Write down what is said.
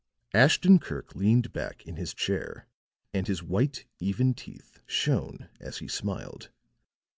Ashton Kirk leaned back in his chair, and his white, even teeth shone as he smiled.